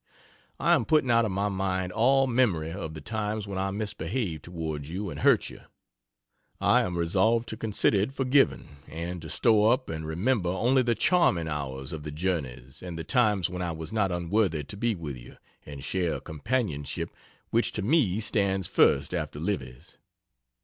I am putting out of my mind all memory of the times when I misbehaved toward you and hurt you: I am resolved to consider it forgiven, and to store up and remember only the charming hours of the journeys and the times when I was not unworthy to be with you and share a companionship which to me stands first after Livy's.